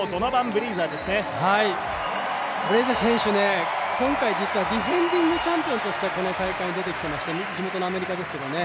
ブレイザー選手、今回実はディフェンディングチャンピオンとしてこの大会に出てきてまして地元のアメリカですけどね